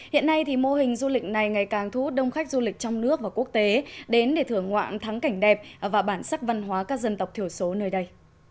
hiện nay thì mô hình du lịch này ngày càng thu hút đông khách du lịch trong nước và quốc tế đến để thưởng ngoạn thắng cảnh đẹp và bản sắc văn hóa các dân tộc thiểu số nơi đây